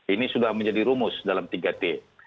ini sudah menjadi rumus dalam tiga t